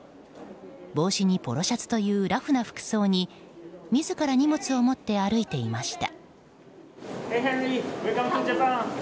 帽子にポロシャツというラフな服装に自ら荷物を持って歩いていました。